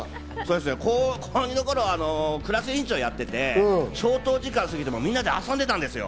高２の頃、クラス委員長をやっていて、消灯時間を過ぎても、みんなで遊んでいたんです。